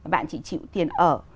bạn chỉ chịu tiền ở